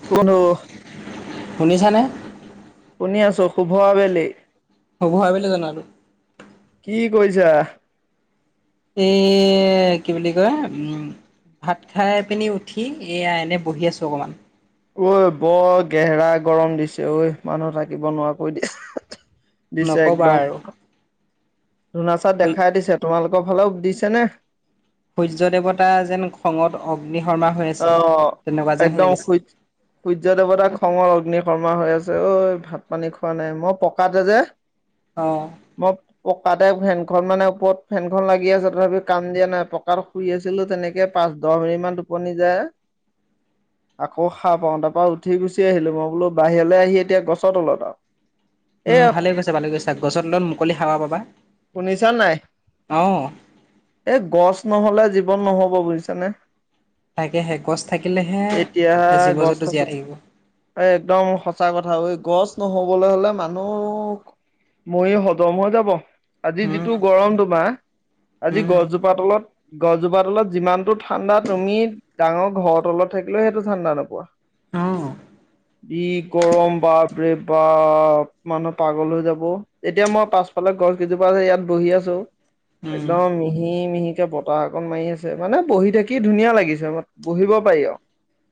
[unintelligible] শুনিছানে শুনি আছো শুভ আবেলি শুভ আবেলি জনালোঁ কি কৰিছা এ কি বুলি কয় উম ভাত খাই পিনি উঠি এয়া এনেই বহি আছোঁ অকণমান ঐ বৰ গেহৰা গৰম দিছে ঐ মানুহ থাকিব নোৱাৰাকৈ দিছে নক'বা আৰু ধোনাচাত দেখাই দিছে তোমালোকৰ ফালেও দিছে নে? সূৰ্য দেৱতা যেন খঙত অগ্নিশৰ্মা হৈ অ আছে তেনেকুৱা যেনহে একদম লাগিছে। সূ সূৰ্য দেৱতাক খঙৰ অগ্নিকৰ্মা হৈ আছে ঐ ভাত পানী খোৱা নাই মই পকাতে যে [inaudible] অ'। [unintelligible] পকাতে ফেনখন মানে ওপৰত ফেনখন লাগি আছে তথাপি কাম দিয়া নাই পকাৰ শুই আছিলোঁ তেনেকে পাঁচ দহ মিনিট মান টোপনি যায়। আকৌ সাৰ পাওঁ তাৰ পৰা উঠি গুচি আহিলোঁ মই বোলো বাহিৰলৈ আহি এতিয়া গছৰ তলত আৰু। এ উম, ভালে কৈছা ভালে কৈছা গছত তলত মুকলি হাৱা পাবা। শুনিছা নাই অ'। এই গছ নহ'লে জীৱন নহ'ব বুজিছানেৱ তাকেহে গছ থাকিলেহে, জীৱ জন্ত জীয়াই থাকিব। এই একদম সঁচা কথা ঐ গছ নহ'বলৈ হ'লে মানুহ মৰি খতম হৈ যাব, আজি উম যিটো গৰম তোমাৰ, আজি উম গছজোপ [unintelligible] তলত গছজোপা তলত যিমানটো ঠাণ্ডা তুমি ডাঙৰ ঘৰৰ তলত থাকিলেও সেইটো ঠাণ্ডা নোপোৱা। অ কি গৰম বা বাপৰে বাপ মানুহ পাগল হৈ যাব, এতিয়া মই পাছফালে গছ কেইজোপা আছে ইয়াত বহি আছোঁ। উম একদম মিহি মিহিকে বতাহ অকণ মাৰি আছে মানে বহি থাকি কি ধুনীয়া লাগিছে অলপ বহিব পাৰি আৰু।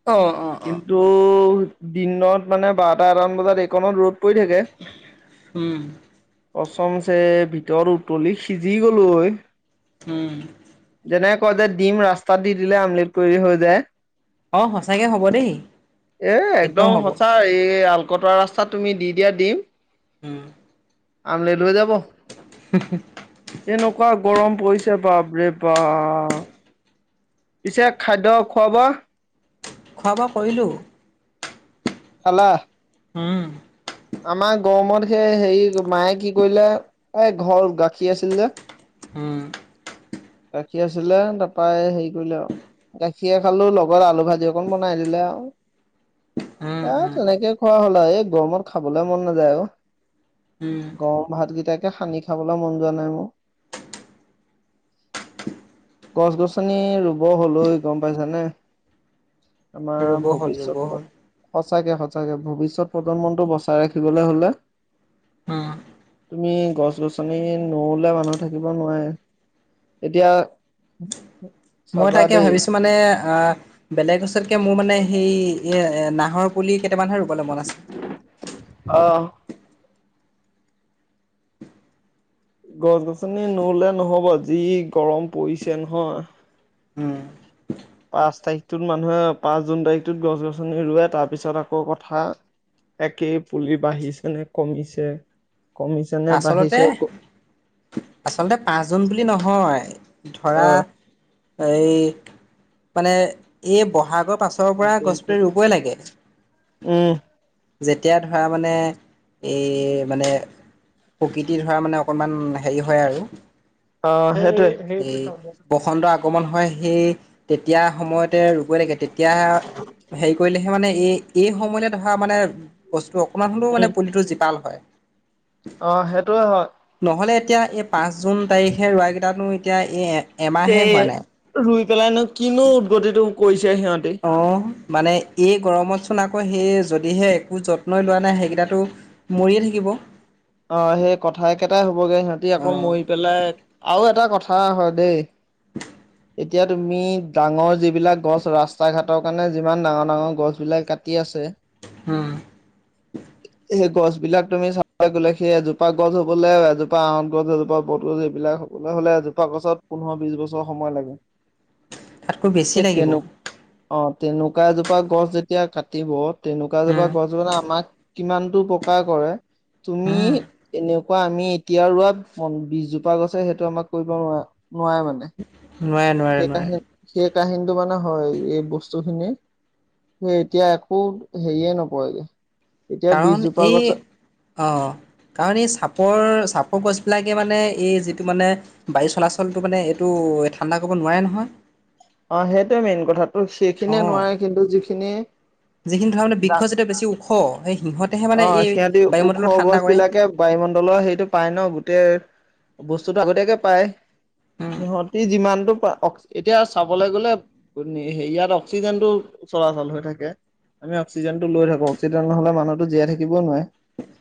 অ', অ', অ'। কিন্তু দিনত মানে বাৰটা এটামান বজাত এইকণত ৰ'দ পৰি থাকে। উম। কচমচে ভিতৰত উতলি সিজি গ'লোঁ হয়। উম। যেনেক কয় যে দিম ৰাস্তাত দি দিলে আমলিত কৰি হৈ যায়। এ, অ সঁচাকে হ'ব দেই একদম সঁচা এই আলকটৰা ৰা [unintelligible] তুমি দি দিয়া দিম। উম। আমলেট হয় যাব। [unintelligible] এনেকুৱা গৰম পৰিছে বাপৰে বাপ। পিছে খাদ্য খুৱা বোৱা। খোৱা বোৱা কৰিলোঁ। খালা। উম। আমাৰ গৰমত সেই হেৰি মায়ে কি কৰিলে, এই ঘৰ গাখীৰ আছিল যে। উম। গাখীৰ আছিলে তাৰপৰা হেৰি কৰিলে আৰু। গাখীৰে খালোঁ লগত আলু ভাজি অকণ বনাই দিলে আৰু। উম এ, উম তেনেকে খোৱা হ'ল আৰু এই গৰমত খাবলৈ মন নাযায় অ'। উম গৰম ভাতকেইটাকে সানি খাবলৈ মন যোৱা নাই মোৰ। গছ গছনি ৰুব হ'ল ঐ গম পাইছানে। আমাৰ ৰুব হ'ল ৰুব ভৱিষ্যয়ত হ'ল সঁচাকে সঁচাকে ভৱিষ্যত প্ৰজন্মটো বচাই ৰাখিবলৈ হ'লে। উম। তুমি গছ গছনি নুৰুলে মানুহ থাকিব নোৱাৰে। এতিয়া মই চাবা তাকে দেই ভাবিছোঁ মানে অ' বেলেগ ওচৰতকে মোৰ মানে সেই এ, নাহৰ পুলি কেইটামানহে ৰুবলৈ মন আছে। অ'। গছ গছনি নুৰুলে নহ'ব যি গৰম পৰিছে নহয়। উম। পাঁচ তাৰিখটোত মানুহে পাঁচ জুন তাৰিখটোত গছ গছনি ৰুৱে তাৰপিছত আকৌ কথা। একেই পুলি বাঢ়িছে নে কমিছে? কমিছে নে আচলতে, বাঢ়িছে আচলতে পাঁচজন বুলি নহয়। ধৰা আহ এই মানে এই বহাগৰ পাছত গৰপৰা গছপুলি ৰুবই লাগে। উম। যেতিয়া ধৰা মানে এই মানে প্ৰকৃতি ধৰা মানে অকণমান হেৰি হয় আৰু। অ' সেইটোৱেই। এই বসন্ত আগমন হয়, সেই তেতিয়া সময়তে গই লাগে তেতিয়া হেৰি কৰিলেহে মানে এই এই সময়লৈ ধৰা মানে বস্তু অকণমান হ'লেও উম মানে পুলিটো জীপাল হয়। অ' সেইটোয়ে হয়। নহ'লে এতিয়া এই পাঁচ জুন তাৰিখে ৰোৱা কেইটাতো এতিয়া এই এ, এমাহে হোৱা নাই। ৰুই পেলাইনো কিনো উদগতিটো কৰিছে সিহঁতে। অ' মানে এই গৰমতচোন আকৌ সেই যদিহে একো যত্নই লোৱা নাই সেইকেইটাতো মৰিয়ে থাকিব। অ' সেই কথাই কেইটাই হ'বগৈ সিহঁতি আকৌ অ' মৰি পেলাই আৰু এটা কথা হয় দে এতিয়া তুমি ডাঙৰ যিবিলাক গছ ৰাস্তা ঘাটৰ কাৰণে যিমান ডাঙৰ ডাঙৰ গছবিলাক কাটি আছে উম। [inaudible] সেই গছবিলাক তুমি চাবাই গ'লে সেই এজোপা গছ হ'বলে, এজোপা আঁহত গছ, এজোপা বট গছ এইবিলাক হ'ব কলৈ হ'লে জোপা গছত পোন্ধৰ বিশ বছৰ সময় লাগে। তাতকৈ বেছি সেই লাগিব। তেনে অ' তেনেকুৱা এজোপা গছ যেতিয়া কাটিব তেনেকুৱা জোপা উম, গছ বানে আমাক কিমানটো অপকাৰ কৰে, তুমি উম, এনেকুৱা আমি এতিয়া ৰোৱা বিছজোপা গছে সেইটো আমাক কৰিব নোৱাৰা নোৱাৰে মানে। নোৱাৰে নোৱাৰে। সেই নোৱাৰে। কাহিন সেই কাহিনীটো মানে হয়। এই বস্তুখিনি সে এতিয়া একো হেৰিয়ে নপৰেগে। এতিয়া কাৰণ বিছজোপা এই, গছত অ' কাৰণ এই চাপৰ চাপৰ গছবিলাকে মানে এই যিটো মানে বায়ু চলাচলটো মানে এইটো ঠাণ্ডা কৰিব নোৱাৰে নহয়। অ' সেইটোয়ে মেইন কথা, ত' সেইখিনিয়ে অ', নোৱাৰে কিন্তু যিখিনি যিখিনি ধৰা মানে ডা বৃক্ষ যেতিয়া বেছি ওখ সেই সিহঁত অ' সিহঁতি ওখ গছবিলাকে বায়ুমণ্ডলৰ সেইটো পাই ন' গোটেই বস্তুতটো আগতীয়াকে পাই। উম সিহঁতি যিমানটো অ' এতিয়া চাবলৈ গ'লে ইয়াত অক্সিজেনটো চলাচল হৈ থাকে। আমি অক্সিজেনটো লৈ থাকো, অক্সিজেন নহ'লে মানুহতো জীয়াই থাকিবও নোৱাৰে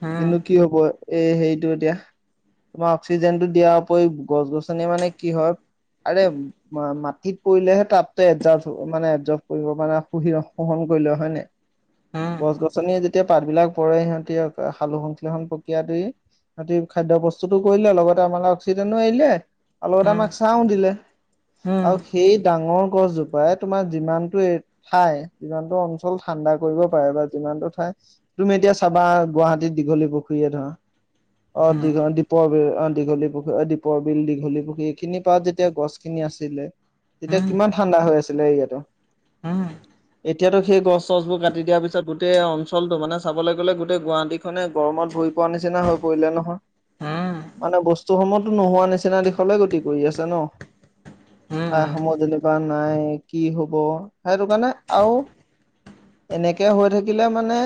উম কিন্তু কি হ'ব, এই হেৰিটো এতিয়া? তোমাৰ অক্সিজেনটো দিয়াৰ উপৰি গছ গছনি মানে কি হয়, আৰে মাটিত পৰিলেহে তাপটো মানে এডজাষ্ট কৰিব মানে শোহন কৰি লয় হয় নাই? উম গছ গছনি যেতিয়া পাতবিলাক পৰে সিহঁতি সালোক সংশ্লেষণ প্ৰক্ৰিয়া দি সিহঁতি খাদ্য প্ৰস্তুতো কৰিলে লগতে আমালে অক্সিজেনো এৰিলে। আৰু লগতে আমাক ছাওঁ দিলে। উম আৰু সেই ডাঙৰ গছজোপাই তোমাৰ যিমানটো ঠাই যিমানটো অঞ্চল ঠাণ্ডা কৰিব পাৰে বা যিমানটো ঠাই তুমি এতিয়া চাবা গুৱাহাটীত দীঘলী পুখুৰীয়ে ধৰা অ' উম দীঘ দীপৰ বিল, অ' দীঘলী পুখুৰী, অ' দীপৰ বিল, দীঘলী পুখুৰী এইখিনি পা যেতিয়া গছ খিনি আছিলে তেতিয়া উম কিমান ঠাণ্ডা হৈ আছিলে এৰিয়াতো। উম এতিয়াতো সেই গছ চছবোৰ কাটি দিয়াৰ পিছত গোটেই অঞ্চলটো মানে চাবলে গ'লে গোটেই গুৱাহাটী খনে গৰমত ভুৰি পোৱা নিচিনা হৈ পৰিলে নহয়। উম উম উম মানে বস্তুসমূহতো নোহোৱা নিচিনা দিশলৈ গতি কৰি আছে ন। ঠাইসমূহ যেনিবা নাই কি হ'ব সেইটো কাৰণে আৰু। এনেকে হৈ থাকিলে মানে।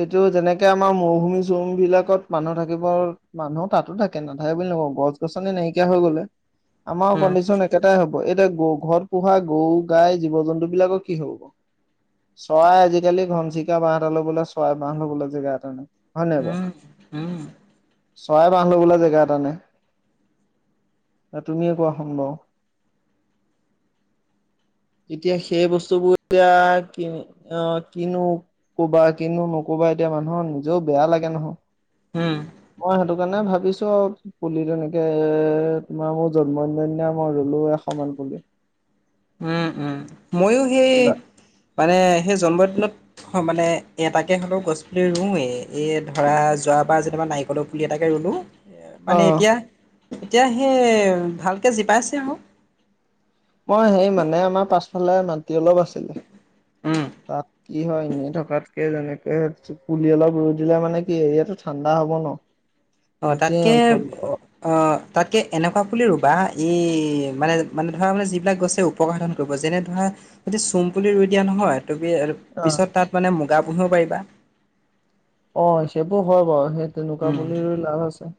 এইটো যেনেকে আমাৰ মৰুভূমি চৰুম বিলাকত মানুহ থাকিবৰ। মানুহ তাতো থাকে নাথাকে বুলি নকওঁ গছ গছনি নাইকিয়া হৈ গলে আমাৰ উম কণ্ডিশন। একেইটাই হ'ব এতিয়া গ ঘৰত পোহা গৰু গাই জীৱ জন্তু বিলাকৰ কি হ'ব। চৰাই আজিকালি ঘনচিকা বা এটা ল'বলৈ ছয় মাহ ল'বলৈ জেগা এটা নাই হয় ন বাৰু। উম উম চৰাই বান্ধ বো জেগা এটা নেই। তুমিয়ে কোৱা চোন বাৰু। এতিয়া সেই বস্তুবোৰ এতিয়া ক আহ কিনো কবা কিনো নক'বা এতিয়া মানুহৰ নিজেও বেয়া লাগে নহয়। উম, মই সেইটো কাৰণে ভাবিছো পুলি তেনেকে এ তোমাৰ মোৰ জন্ম দা মই ৰলো এ [inaudible] উম, উম, ময়ো সেই মানে সেই জন্মদিনত। অ, মানে এটাকে হ'লেও গছ পুলিৰুৱে এ ধৰা যোৱাবাৰ যেতিাবা নাৰিকলৰ পুলি এটাকে ৰুলোঁ অ মানে এতিয়া এতিয়া সেই ভালকৈ জিপাইছে আৰু। মই সেই মানে আমাৰ পাছফালে মাটি অলপ আছিলে উম তাত। কি হয় এনেই থকাতকে যেনেকে পুলি অলপ ৰুই দিলে মানে কি এৰিয়াটো ঠাণ্ডা হ'ব ন। [unintelligible] অ, তাতকে। অঞ্চল অ, তাতকে এনেকুৱা পুলি ৰুবা ই মানে মানে ধৰা মানে যিবিলাক গছেও। উপসাধন কৰিব যেনে ধৰা যদি চোম পুলি ৰুই দিয়া নহয় ত অ', পিছত তাত মানে মুগা পুহিব পাৰিবা। অ, সেইবোৰ হয় বাৰু সেই তেনেকুৱা উম পুলিৰো লাভ আছে।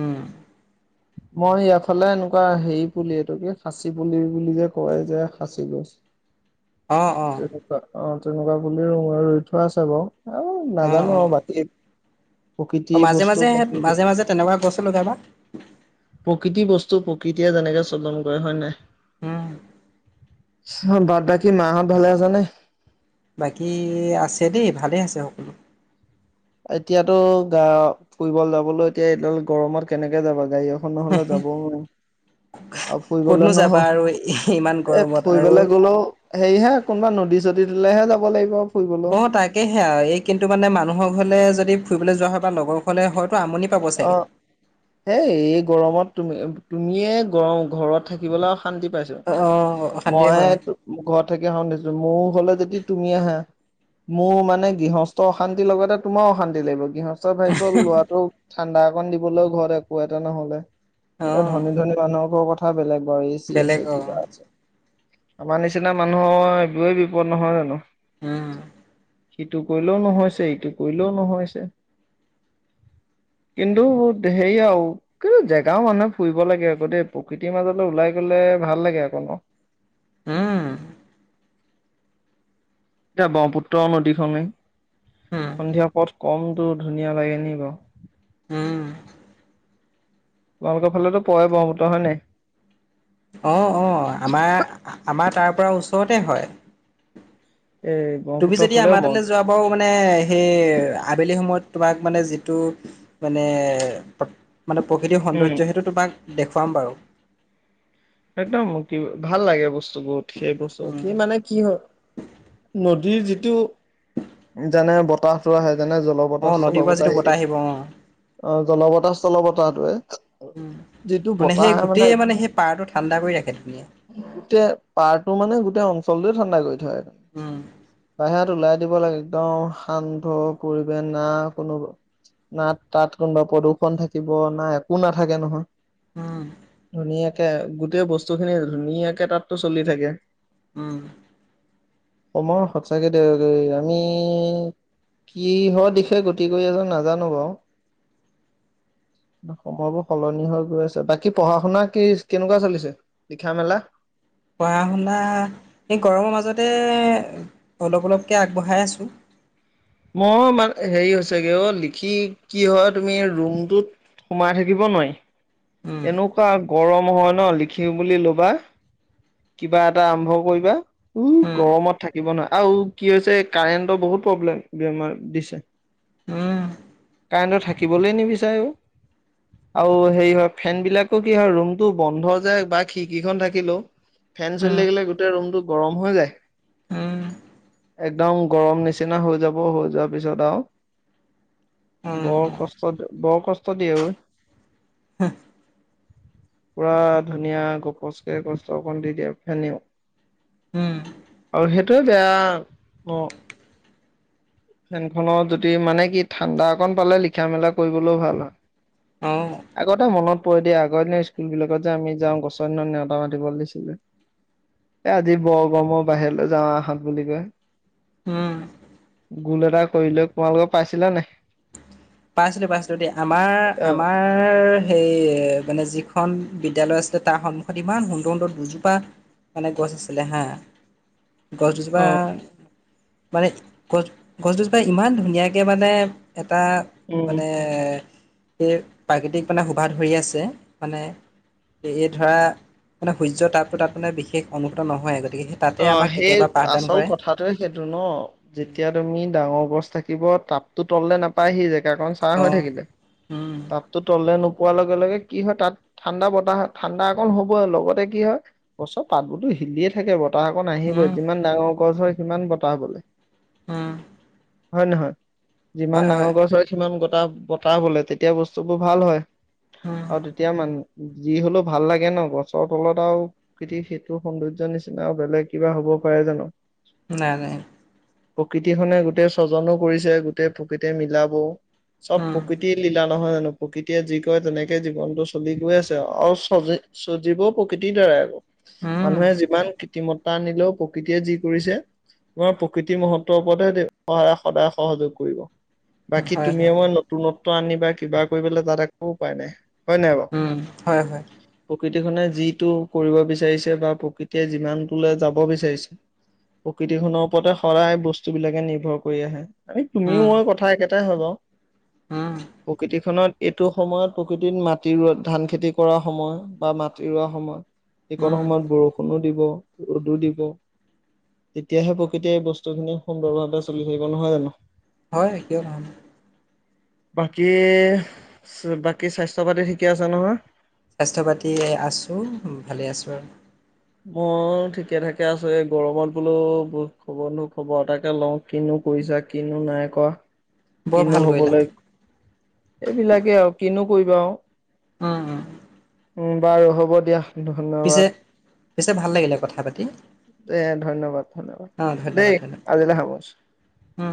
উম মই ইয়াৰফালে এনেকুৱা হেৰি পুলি এইটো কি। খাঁচি পুলি বুলি যে কয় যে সাঁচি গছ। অ, অ, তেনেকুৱা অ, তেনেকুৱা বুলি ৰই থোৱা আছে বাৰু আৰু অ নাজানো অ আৰু বাকী। প্ৰকৃতি অ, মাজে বস্তু মাজে প্ৰকৃতি মাজে মাজে তেনেকুৱা গছ লগাবা। প্ৰকৃতি বস্তু প্ৰকৃতিয়ে যেনেকে চলন কৰে হয় নে নহয়। উম, বাদ বাকী মাহঁত ভালে আছানে। বাকী আছে দেই, ভালেই আছে সকলো। এতিয়াতো গা ফুৰিব যাবলৈ এতিয়া এইডাল গৰমত কেনেকে যাবা গায় নহ'লে যাবও নোৱাৰি। আৰু ফুৰিবলে ক'তনো ন যাবা আৰু ইমান এ গৰমত আৰু ফুৰিবলৈ গ'লে ও। হেৰিহে কোনোবা নদী চদী দিলেহে যাব লাগিব। ফুৰিবলৈও অ, তাকেহে আৰু এই কিন্তু মানে মানুহৰ ঘৰলে যদি ফুৰিবলৈ যোৱা হয় বা লগৰ ঘৰলে হয়তো আমনি। পাব অ, চাগে হেই এই গৰমত তুমি তুমিয়ে গৰম ঘৰত থাকিবলৈ। শান্তি পাইছো অ', অশান্তি মই হয় ঘৰত থাকি সধিছো মোৰ হ'লে যদি তুমি আহা। মোৰ মানে গৃহস্থ অশান্তিৰ লগতে তোমাৰ অশান্তি লাগিব গৃহস্থ। তাৰত ভাব্য লৰাটো ঠাণ্ডা অকণ দিবলৈও ঘৰত একো এটা নহ'লে। এতিয়া অ', ধনী ধনী মানুহৰ কথা বেলেগ বাৰু এ চি বেলেগ আছে অ', কিবা আছে। আমাৰ নিচিনা মানুহৰ এইবৰেেই বিপদ নহয় জানো। উম, সিটো কৰিলেও নহৈছে ইটো কৰিলেও নহৈছে। কিন্তু হেৰি আও কিন্তু জেগাও মানুহে ফুৰিব লাগে আকৌ দেই প্ৰকৃতিৰ মাজলৈ ওলাই গ'লে ভাল লাগে আকৌ ন উম। [unintelligible] ব্ৰহ্মপুত্ৰ নদীখনে উম, সন্ধিয়া পথ। কমটো ধুনীয়া লাগে নি বাৰু। উম। ফালেতো পৰে ব্ৰহ্মপুত্ৰ হয় নে নাই। অ অ আমাৰ, আমাৰ তাৰ পৰা ওচৰতে হয়। [unintelligible] তুমি যদি ফালেও আমাৰ মন তালৈ যোৱা বাৰু মানে সেই আবেলি সময়ত তোমাক মানে যিটো। মানে, মানে প্ৰকৃতিক উম, সৌন্দৰ্য সেইটো তোমাক দেখুৱাম বাৰু। একদম কি ভাল লাগে বস্তুবোৰ উম, সেই [unintelligible] মানে কি হয়। নদীৰ যিটো। যেনে বতাহটো আহে যেনে অ জলবতাহ নদীৰ পৰা স্থল'বতাহ। যিটো বতাহ [unintelligible] আহিব অ অ জলবতাহ স্থলবতাহটোয়ে। মানে সেই গোটেই মানে সেই পাৰটো ঠাণ্ডা কৰি ৰাখে ধুনীয়া। [unintelligible] পাৰটো মানে গোটেই অঞ্চলটোয়ে ঠাণ্ডা কৰি থয়। উম। বাহিৰত ওলাই দিব লাগে একদম শান্ত পৰিৱেশ না কোনো। না তাত কোনবা প্ৰদূ্ষন থাকিব না একো নাথাকে নহয়। উম। ধুনীয়াকে গোটেই বস্তু খিনি ধুনীয়াকে তাতটো চলি থাকে। উম। অমৰ সঁচাকে। [unintelligible] আমি কিহৰ দিশে গতি কৰি আছোঁ নাজানো বাৰু। সময়বোৰ সলনি হৈ গৈ আছে বাকী পঢ়া শুনা কি কেনেকুৱা চলিছে। লিখা মেলা। পঢ়া শুনাা এই গৰমৰ মাজতে অলপ অলপকৈ আগবঢ়াই আছোঁ। মই মাৰ হেৰি হৈছেগে অ লিখি কি হয় তুমি ৰুমটো। সোমাই থাকিব নোৱাৰি উম এনেকুৱা গৰম হয় নহ লিখিম বুলি ল'বা। কিবা এটা আৰম্ভ কৰিবা উ উম গৰমত থাকিব নৱা আৰু কি হৈছে কাৰেণ্টৰ বহুত প্ৰব্লেম বেমাৰ দিছে। [unintelligible] কাৰেণ্টটো থাকিবলৈ নিবিচাৰে অ। আৰু হেৰি হয় ফেন বিলাকো কি হয় ৰুমটো বন্ধ যে বা খিৰিকিখন থাকিলেও। ফেন চলি উম থাকিলে গোটেই ৰুমটো গৰম হৈ যায়। উম। একদম গৰম নিচিনা হৈ যাব হৈ যোৱাৰ পিছত আৰু উম বৰ উম কচ [unintelligible] বৰ কষ্ট দিয়ে অই। পুৰা ধুনীয়া গপচকে। [unintelligible] [unintelligible] দি দিয়ে এনেও উম, আৰু সেই [unintelligible] বেয়া অ। ফেনখনো যদি মানে কি ঠাণ্ডা অকণ পালে লিখা মেলা কৰিবলৈও ভাল হয়। অ। আগতে মনত পৰি দিয়া আগৰ দিনৰ স্কুল বিলাকত যে আমি যাওঁ গছৰ [unintelligible] নেওতা মাতিবলৈ দিছি এ আজি বৰ গৰমৰ বাহিৰলৈ যাওঁ [unintelligible] বুলি কৈ। উম। গোল এটা কৰি লৈ [unintelligible] পাইছিলা নে নাই। পাইছিলোঁ পাইছিলোঁ দেই আমাৰ, আমাৰ। [inaudible] সেই মানে যিখন বিদ্যালয় আছিলে তাৰ সন্মুখত ইমান সুন্দৰ সুন্দৰ দুুজোপা। মানে গছ আছিলে হা গছ দুজোপা। অ মানে গছ গছ দুজোপাই ইমান ধুনীয়াকৈ মানে এটা উম মানে সেই প্ৰাকৃতিক মানে শোভা ধৰি আছে মানে এই ধৰা মানে সূৰ্য তাপটো তাত মানে বিশেষ অনুভূত নহয় গতিকে সেই তাতে অ', আমাক সেই কেতিয়াবা পাঠদান আচল কৰে। কথাত সেইটো ন যেতিয়া তুমি ডাঙৰ গছ থাকিব তাত তো তললে নাপায় সি জেগা কাৰণ ছাঁ অ হৈ থাকিলে উম তাততো তলে নোপোৱাৰ লগে লগে কি হয় তাত ঠাণ্ডা বতাহ ঠাণ্ডা অকণ হ'বই লগতে কি হয় গছৰ পাতবোৰতো হিলিয়ে থাকে বতাহ বতাহকন উম আহিবই যিমান ডাঙৰ গছ হয় সিমান বতাহ বলেলৈ হম হয় নহয় যিমান ডাঙৰ গছ হয় সিমান গটা বতাহ বোলে তেতিয়া বস্তুবোৰ ভাল হয়। উম অ', তেতিয়া মানে যি হলেও ভাল লাগে ন গছৰ তলত আৰু সেইটো সৌন্দৰ্য নিচিনা বেলেগ কিবা হ'ব পাৰে জানো নাই নাই। প্ৰকৃতিখনে গোটেই স্বজনো কৰিছে গোটেই প্ৰকৃতিয় মিলাব চব উম প্ৰকৃতি লীলা নহয় জানো প্ৰকৃতিয়ে যি কয় তেনেকে জীৱনটো চলি গৈ আছে আৰু চজি চ জীৱ প্ৰকৃতিৰ দ্বাৰাই আকৌ উম, মানুহে যিমান তিমত্তা আনিলেও প্ৰকৃতিয়ে যি কৰিছে তোমাৰ প্ৰকৃতিৰ মহত্বৰ ওপৰতহে সায় সদায় সহযোগ কৰিব বাকী হয়, তুমিয়ে হয়, মই নতুনত্ব আনিবা কিবা কৰিবলৈ তাত একো উপায় নাই হয় নাই বাৰু উম হয় হয়। প্ৰকৃতিখনে যিটো কৰিব বিচাৰিছে বা প্ৰকৃতিয়ে যিমানটোলৈ যাব বিচাৰিছে প্ৰকৃতিখনৰ ওপৰতে সদায় বস্তু বিলাকে নিৰ্ভৰ কৰি আহে আমি তুমিও উম, মই কথা একেটাই হবা উম, প্ৰকৃতিখনত এইটো সময়ত প্ৰকৃতিত মাটি ৰ ধান খেতি কৰা সময় বা মাটি ৰোৱা সময় যিক উম, সময়ত বৰষুণো দিব ৰ'দো দিব তেতিয়াহে প্ৰকৃতিয় এই বস্তু খিনি সুন্দৰভাৱে চলি থাকিব নহয় জানো হয় কিয় নহয় বাকী বাকী স্বাস্থ্য পাতি ঠিকেই আছে নহয়। স্বাস্থ্য পাতি আছো ভালে আছো আৰু মই ঠিকে থাকে আছো এই গৰমত বোলো খবৰ নো খবৰ এটাকে লওঁ কিনো কৰিছা কিনো নাই কোৱা বৰ কিনো ভাল কৰিলা। হবলৈ এইবিলাকে আৰু কিনো কৰিবা আৰু উম অ', উম বাৰু হ'ব দিয়া পিছে, ধন্যবাদ। পিছে ভাল লাগিলে কথা পাতি। দে ধন্যবাদ ধন্যবাদ অ', ধন্যবাদ, দেই ধন্যবাদ, আজিলে সামৰিছোঁ। উম